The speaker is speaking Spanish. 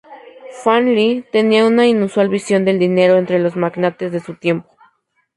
Fan Li tenía una inusual visión del dinero entre los magnates de su tiempo.